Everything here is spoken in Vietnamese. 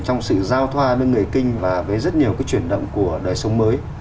trong sự giao thoa đơn người kinh và với rất nhiều cái chuyển động của đời sống mới